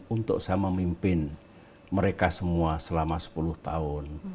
untuk saya memimpin mereka semua selama sepuluh tahun